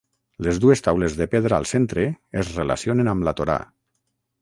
Les dues taules de pedra al centre es relacionen amb la Torà.